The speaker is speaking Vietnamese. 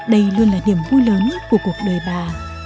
đây luôn là điểm vui lớn của cuộc đời bà